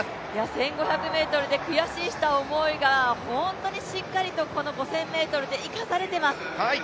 １５００ｍで悔しい思いをしたことが、しっかりこの５０００ｍで生かされています。